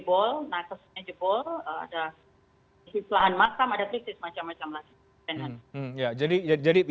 paksesnya jebol natusnya jebol ada hispahan matam ada trikis macam macam lagi